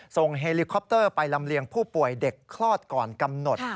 เฮลิคอปเตอร์ไปลำเลียงผู้ป่วยเด็กคลอดก่อนกำหนด